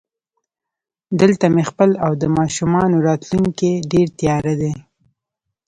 دلته مې خپل او د ماشومانو راتلونکی ډېر تیاره دی